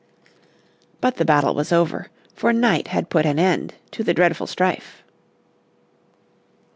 But the battle was over, for night had put an end to the dreadful strife.